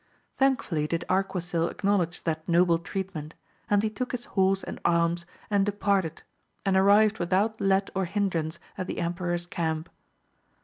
Thankfiilly did Arquisil acknowledge that noble treatment, and he. took his horse and arms, and de parted, and arrived without let or hindrance at the emperor's camp.